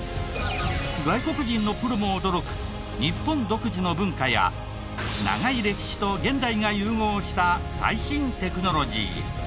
外国人のプロも驚く日本独自の文化や長い歴史と現代が融合した最新テクノロジー。